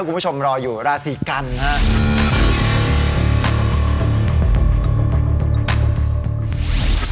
คุณผู้ชมรออยู่ราศีกัณฐ์